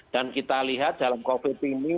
dan kita lihat dalam covid ini